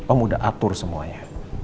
om udah atur semuanya